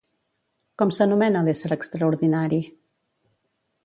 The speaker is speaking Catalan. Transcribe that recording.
Com s'anomena l'ésser extraordinari?